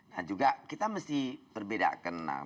nah juga kita mesti berbeda kena